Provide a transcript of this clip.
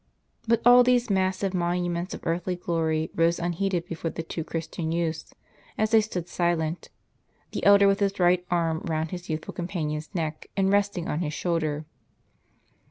But all these massive monuments of earthly glory rose unheeded before the two Christian youths, as they stood silent ; the elder with his right arm round his youthful companion's neck, and resting on his shoulder.